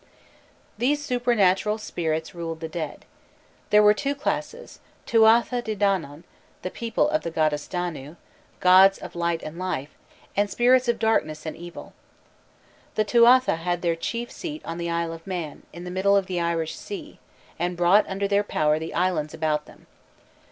_ These supernatural spirits ruled the dead. There were two classes: the Tuatha De Danann, "the people of the goddess Danu," gods of light and life; and spirits of darkness and evil. The Tuatha had their chief seat on the Isle of Man, in the middle of the Irish Sea, and brought under their power the islands about them.